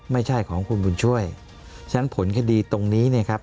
ไม่ใช่ของคุณบุญช่วยฉะนั้นผลคดีตรงนี้เนี่ยครับ